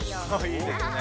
いいですね。